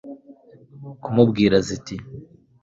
kumubwira ziti